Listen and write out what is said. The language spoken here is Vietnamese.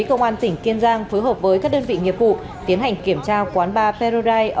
công an tỉnh kiên giang phối hợp với các đơn vị nghiệp vụ tiến hành kiểm tra quán bar perurai